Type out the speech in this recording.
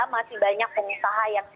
masih banyak pengusaha yang